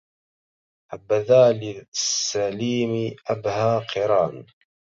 حبذا للسليم أبهى قران